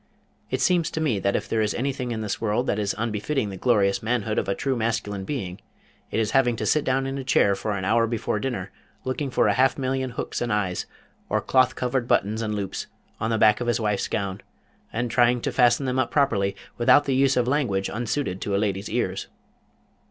It seems to me that if there is anything in this world that is unbefitting the glorious manhood of a true masculine being it is to have to sit down in a chair for an hour before dinner looking for a half million hooks and eyes, or cloth covered buttons and loops, on the back of his wife's gown, and trying to fasten them up properly without the use of language unsuited to a lady's ears.